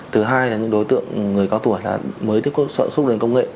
thứ hai là những đối tượng người cao tuổi mới tiếp cận sở sức đến công nghệ